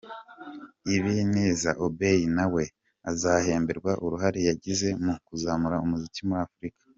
Ebenezer Obey, na we azahemberwa uruhare yagize mu kuzamura umuzika muri Africa.